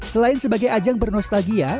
selain sebagai ajang bernostalgia